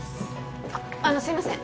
あのすいません